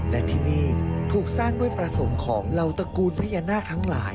และที่นี่ถูกสร้างด้วยประสงค์ของเหล่าตระกูลพญานาคทั้งหลาย